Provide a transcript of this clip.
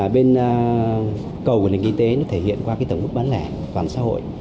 bên cầu của lĩnh vực kinh tế nó thể hiện qua tầng bức bán lẻ toàn xã hội